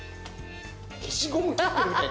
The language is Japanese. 消しゴムを切ってるみたい。